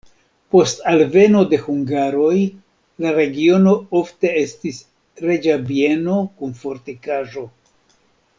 Post alveno de hungaroj la regiono ofte estis reĝa bieno kun fortikaĵo.